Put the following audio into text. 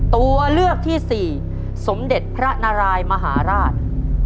ตัวเลือกที่สี่สมเด็จพระนารายมหาราช